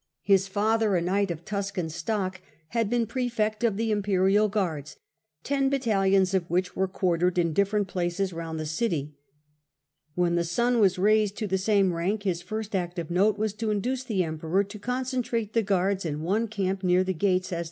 His father, a knight of Tuscan stock, had been praefect of the imperial guards, ten bat talions of which were quartered in different places round the city. When the son was raised to the same rank, his first act of note was to induce the Emperor to concentrate the guards in one camp near the gates, as the ..